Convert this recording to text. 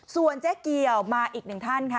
ส่วนเจ๊เกียวมาอีกหนึ่งท่านค่ะ